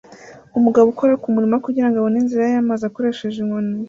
Umugabo ukora kumurima kugirango abone inzira y'amazi akoresheje inkoni